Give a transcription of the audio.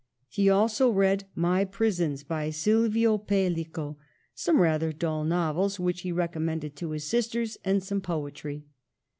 He also read My Prisons, by Silvio Pellico, some rather dull nov els which he recommended to his sisters, and some poetry.